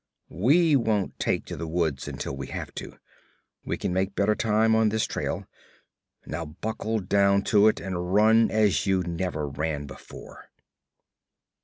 We won't take to the woods until we have to. We can make better time on this trail. Now buckle down to it and run as you never ran before.'